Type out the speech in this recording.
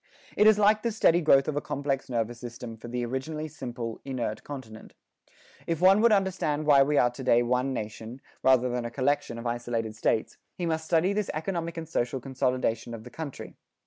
It is like the steady growth of a complex nervous system for the originally simple, inert continent. If one would understand why we are to day one nation, rather than a collection of isolated states, he must study this economic and social consolidation of the country.